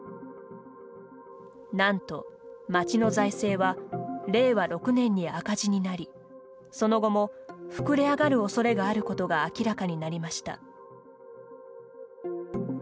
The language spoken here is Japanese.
なんと、町の財政は令和６年に赤字になりその後も膨れ上がるおそれがあることが明らかになりました。